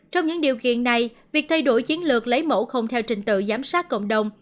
trong những điều kiện này việc thay đổi chiến lược lấy mẫu không theo trình tự giám sát cộng đồng